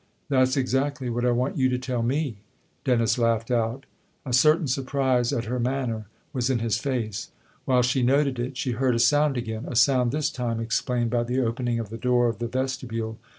"" That's exactly what I want you to tell me !" Dennis laughed out. A certain surprise at her manner was in his face. While she noted it she heard a sound again, a sound this time explained by the opening of the door of the vestibule.